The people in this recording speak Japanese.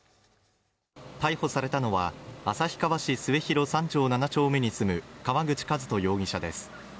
逮捕されたのは旭川市末広３条７丁目に住む川口和人容疑者です